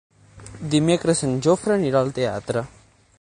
Dimecres en Jofre anirà al teatre.